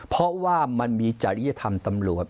เพราะว่ามันมีจริยธรรมตำรวจ